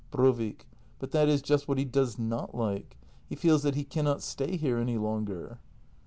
Brovik. But that is just what he does not like. He feels that he cannot stay here any longer.